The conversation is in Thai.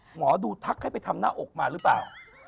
หมอดูทักให้ไปทำหน้าอกมาหรือเปล่า